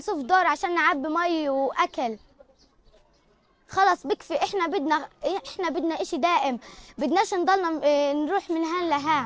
sudah cukup kita ingin semuanya kita ingin terus berada di sini